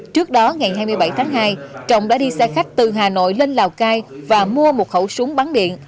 trước đó ngày hai mươi bảy tháng hai trọng đã đi xe khách từ hà nội lên lào cai và mua một khẩu súng bắn điện